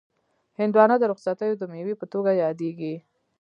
هندوانه د رخصتیو د مېوې په توګه یادیږي.